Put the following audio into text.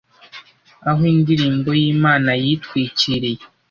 aho indirimbo yimana yitwikiriye